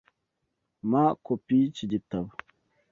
Mpa kopi yiki gitabo.